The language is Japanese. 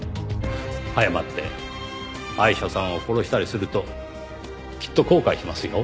早まってアイシャさんを殺したりするときっと後悔しますよ。